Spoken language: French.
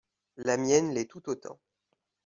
La mienne l’est tout autant.